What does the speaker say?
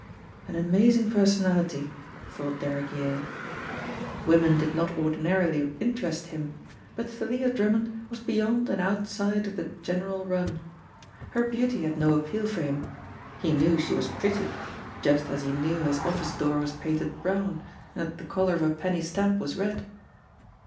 "An amazing personality," thought Derrick Yale. Women did not ordinarily interest him, but Thalia Drummond was beyond and outside of the general run. Her beauty had no appeal for him; he knew she was pretty, just as he knew his office door was painted brown and that the colour of a penny stamp was red.